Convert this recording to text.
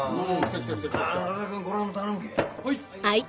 はい。